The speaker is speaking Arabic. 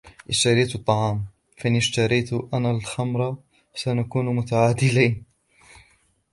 اشتريتِ الطعام ، فإن اشتريتُ أنا الخمرة فسنكون متعادلين.